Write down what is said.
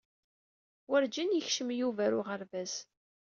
Werǧin yekcem Yuba ar uɣerbaz.